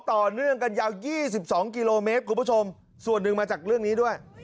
ต่อเนื่องกันยาว๒๒กิโลเมตรคุณผู้ชมส่วนหนึ่งมาจากเรื่องนี้ด้วย